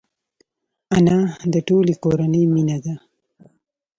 انا د ټولې کورنۍ مینه ده